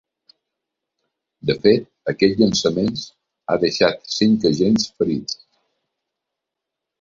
De fet, aquests llançaments ha deixat cinc agents ferits.